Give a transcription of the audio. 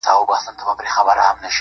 • د نېكيو او بديو بنياد څه دئ -